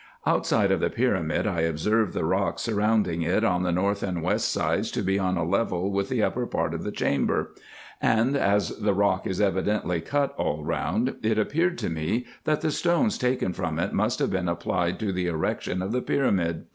Outside of the pyramid I observed the rock surrounding it on the north and west sides to be on a level with the upper part of the chamber ; and, as the rock is evidently cut all round, it appeared to me, that the stones taken from it must have been applied to the erection of the pyramid.